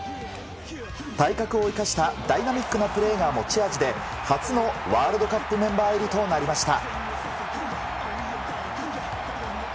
体格を生かしたダイナミックなプレーが持ち味で初のワールドカップメンバー入りとなりました。